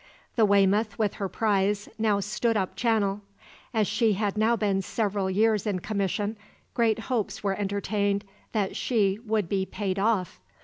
The "Weymouth," with her prize, now stood up Channel. As she had now been several years in commission, great hopes were entertained that she would be paid off.